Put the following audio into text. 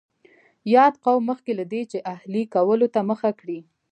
یاد قوم مخکې له دې چې اهلي کولو ته مخه کړي